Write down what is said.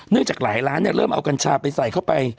จากหลายร้านเริ่มเอากัญชาไปใส่เข้าไป